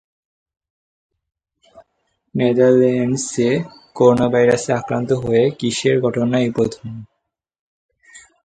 নেদারল্যান্ডসে করোনাভাইরাসে আক্রান্ত হয়ে কিসের ঘটনা এই প্রথম?